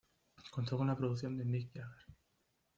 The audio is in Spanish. Contó con la producción de Mick Jagger.